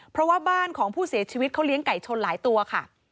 เพราะว่าบ้านของผู้เสียชีวิตเขาเลี้ยงไก่ชนหลายตัวค่ะ